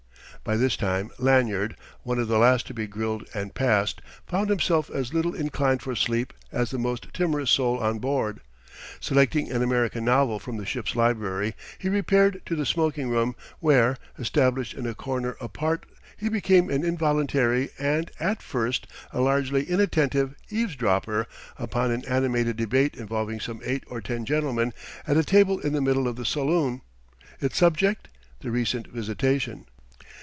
By this time Lanyard, one of the last to be grilled and passed, found himself as little inclined for sleep as the most timorous soul on board. Selecting an American novel from the ship's library, he repaired to the smoking room, where, established in a corner apart, he became an involuntary and, at first, a largely inattentive, eavesdropper upon an animated debate involving some eight or ten gentlemen at a table in the middle of the saloon its subject, the recent visitation.